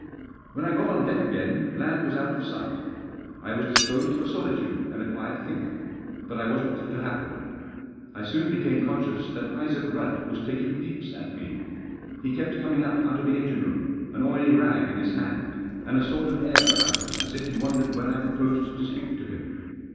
When I got on deck again land was out of sight : I was dispose} for ^olityde and a quiet think. But I wasn't to have them. I soon became conscious that Isaac Ri|dd was taking peeps at n*e. He kept cqming up out of the engine room, aP °ily *P his hand, and a sort of air abput hina a§ if he wondered when I proposed to speak to him.